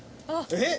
えっ！